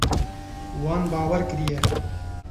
Wan bawer kiriye.